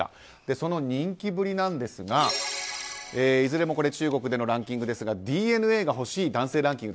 その人気ぶりなんですがいずれも中国でのランキングですがＤＮＡが欲しい男性ランキング